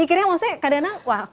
itu kan anak anak juga